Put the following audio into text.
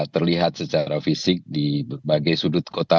terlihat secara fisik di berbagai sudut kota